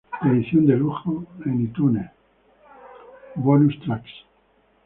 Edición Deluxe en iTunes, Bonus Tracks